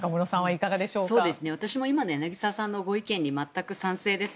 私も今の柳澤さんのご意見に全く賛成です。